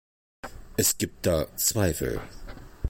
Es gibt da Zweifel.